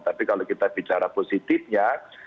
tapi kalau kita bicara positifnya